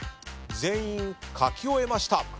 全員書き終えました。